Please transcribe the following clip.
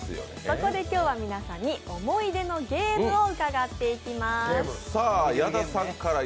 そこで今日は皆さんに思い出のゲームを伺っていきます。